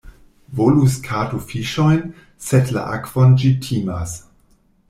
Volus kato fiŝojn, sed la akvon ĝi timas.